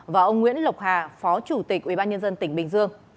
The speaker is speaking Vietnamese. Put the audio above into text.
và ông nguyễn lộc hà phó chủ tịch ubnd tỉnh bình dương